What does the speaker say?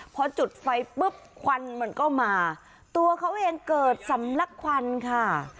พอจุดไฟปุ๊บควันมันก็มาตัวเขาเองเกิดสำลักควันค่ะ